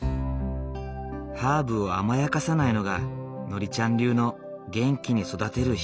ハーブを甘やかさないのがノリちゃん流の元気に育てる秘けつ。